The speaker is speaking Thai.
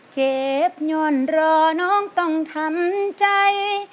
เจ็บหย่อนรอน้องต้องทำใจ